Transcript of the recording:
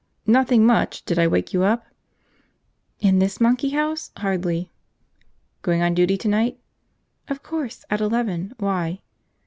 "Nothing much. Did I wake you up?" "In this monkey house? Hardly." "Going on duty tonight?" "Of course. At eleven. Why?"